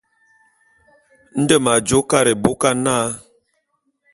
Nde m'ajô Karekôba na.